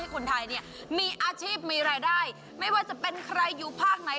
คนไทยเนี่ยมีอาชีพมีรายได้ไม่ว่าจะเป็นใครอยู่ภาคไหน